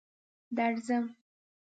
درځم.